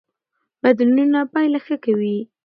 بدلونونه پایله ښه کوي.